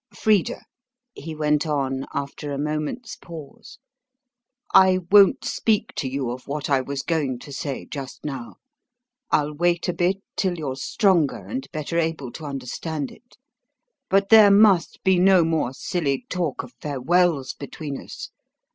"Frida," he went on, after a moment's pause, "I won't speak to you of what I was going to say just now. I'll wait a bit till you're stronger and better able to understand it. But there must be no more silly talk of farewells between us.